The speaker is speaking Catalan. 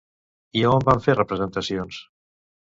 I a on van fer representacions?